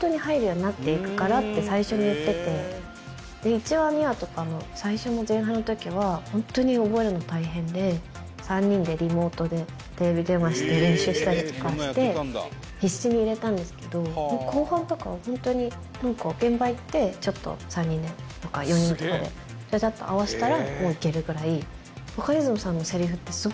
１話２話とかの最初の前半の時はホントに覚えるの大変で３人でリモートでテレビ電話して練習したりとかして必死に入れたんですけどもう後半とかはホントになんか現場行ってちょっと３人でとか４人とかでちゃちゃっと合わせたらもういけるぐらい。